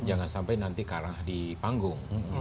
jangan sampai nanti kalah di panggung